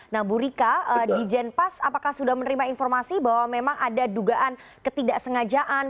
nah bu rika di jenpas apakah sudah menerima informasi bahwa memang ada dugaan ketidaksengajaan